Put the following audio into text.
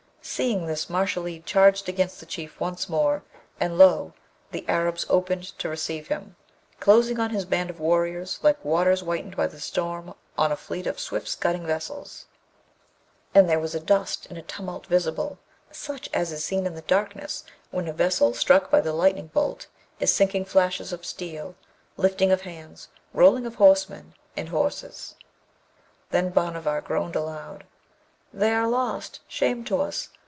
Seeing this, Mashalleed charged against the Chief once more, and lo! the Arabs opened to receive him, closing on his band of warriors like waters whitened by the storm on a fleet of swift scudding vessels: and there was a dust and a tumult visible, such as is seen in the darkness when a vessel struck by the lightning bolt is sinking flashes of steel, lifting of hands, rolling of horsemen and horses. Then Bhanavar groaned aloud, 'They are lost! Shame to us!